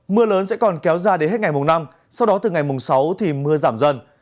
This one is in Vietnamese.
mưa lớn sẽ còn kéo ra đến hết ngày mùng năm sau đó từ ngày mùng sáu thì mưa giảm dần